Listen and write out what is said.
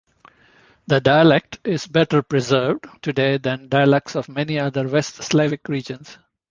The dialect is better preserved today than dialects of many other West Slavic regions.